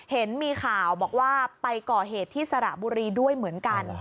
เห็นมีข่าวบอกว่าไปก่อเหตุที่สระบุรีด้วยเหมือนกัน